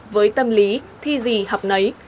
với tâm lý thi gì học nấy